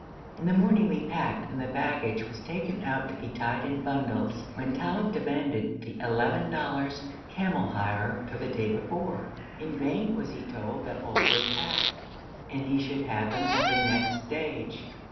In the morning we packed, and the baggage was taken out to be tied in bundles, when Talib demanded the eleven dollars camel hire for the day before. In vain was he told that all was packed, and he should have them at the next stage.